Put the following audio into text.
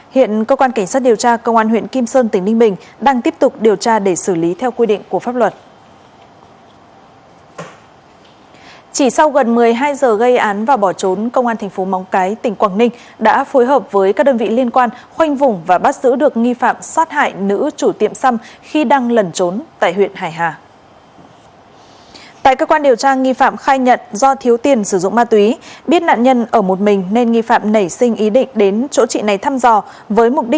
hãy đăng ký kênh để nhận thông tin nhất